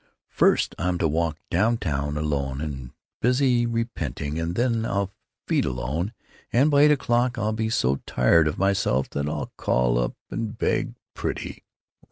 First I'm to walk down town, alone and busy repenting, and then I'll feed alone, and by eight o'clock I'll be so tired of myself that I'll call up and beg pretty.